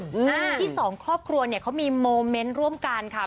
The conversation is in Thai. ที่สองครอบครัวเนี่ยเขามีโมเมนต์ร่วมกันค่ะ